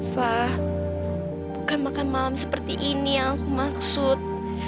fah bukan makan malam seperti ini yang aku maksud